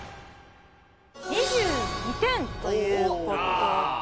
２２点という事で。